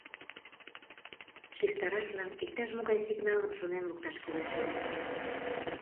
Шижтарашлан иктаж-могай сигналым шонен лукташ кӱлеш ыле...